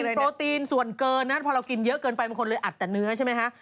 โปรตีนส่วนเกินนะพอเรากินเยอะเกินไปบางคนเลยอัดแต่เนื้อใช่ไหมฮะ